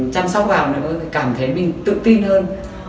chăm sóc vào nữa cảm thấy mình tự tin hơn